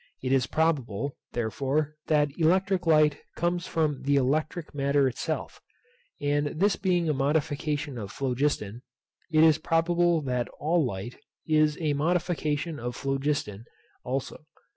It is probable, therefore, that electric light comes from the electric matter itself; and this being a modification of phlogiston, it is probable that all light is a modification of phlogiston also.